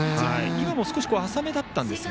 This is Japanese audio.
今も浅めだったんですが。